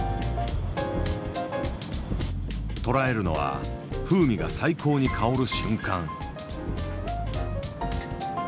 捉えるのは風味が最高に香る瞬間。